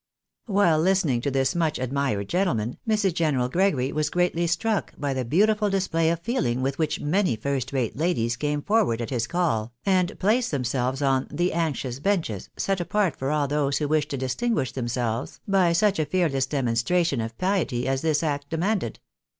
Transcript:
While listening to this much admired gentleman, Mrs. General Gregory was greatly struck by the beautiful display of feehng with which many first rate ladies came forward at his call, and placed themselves on " the anxious benches" set apart for all those who wished to distinguish themselves by such a fearless demonstration of piety as this act demanded.